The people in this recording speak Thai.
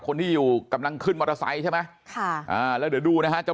คนที่อยู่กำลังขึ้นมอเตอร์ไซค์ใช่ไหมค่ะอ่าแล้วเดี๋ยวดูนะฮะเจ้า